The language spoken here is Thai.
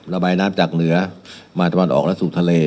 ระบายน้ำจากเหนือมาตะวันออกและสู่ทะเล